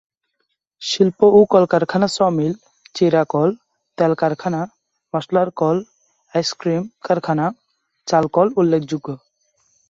শিল্প ও কলকারখানা স’ মিল, চিড়াকল, তেলকারখানা, মসলার কল, আইসক্রিম কারখানা, চালকল উল্লেখযোগ্য।